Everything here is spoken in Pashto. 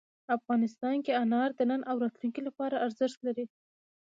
افغانستان کې انار د نن او راتلونکي لپاره ارزښت لري.